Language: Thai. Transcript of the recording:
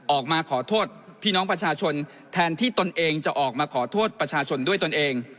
ออกมาขอโทษพี่น้องประชาชนแทนที่ตนเองจะออกมาขอโทษประชาชนด้วยตนเอง